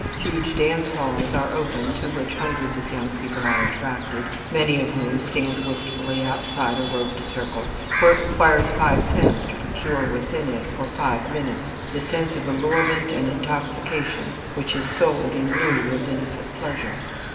Huge dance halls are opened to which hundreds of young people are attracted, many of whom stand wistfully outside a roped circle, for it requires five cents to procure within it for five minutes the sense of allurement and intoxication which is sold in lieu of innocent pleasure.